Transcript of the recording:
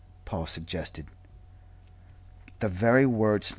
Paul suggested. "The very words.